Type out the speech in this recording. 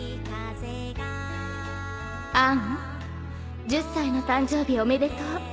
「アン１０歳の誕生日おめでとう。